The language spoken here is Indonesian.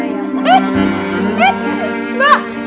eh eh mbak